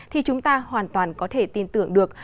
thì chúng ta hoàn toàn có thể tin tưởng được